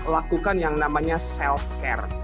lakukan yang namanya self care